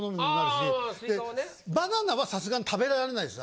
バナナはさすがに食べられないです。